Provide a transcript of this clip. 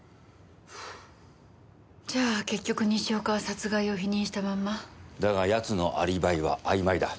じゃあ結局西岡は殺害を否認したまんま？だが奴のアリバイはあいまいだ。